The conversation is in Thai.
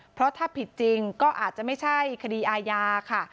เพราะถ้าผิดจริงก็อาจจะไม่ใช่คดีอาญาค่ะ